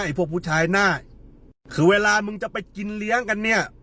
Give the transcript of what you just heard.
พวกผู้ชายหน้าคือเวลามึงจะไปกินเลี้ยงกันเนี่ย